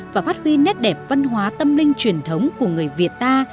và phát huy nét đẹp văn hóa tâm linh truyền thống của người việt ta